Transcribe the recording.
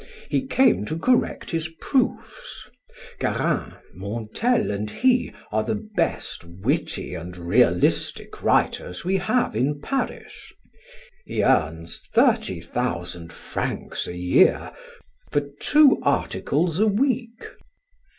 He came to correct his proofs. Garin, Montel and he are the best witty and realistic writers we have in Paris. He earns thirty thousand francs a year for two articles a week."